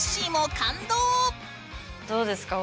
どうですか？